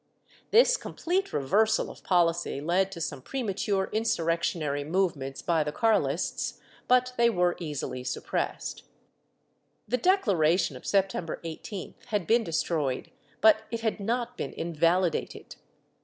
This complete reversal of policy led to some premature insurrectionary movements by the Carlists, but they were easily suppressed.^ The declaration of September 18th had been destroyed, but it had not been invalidated.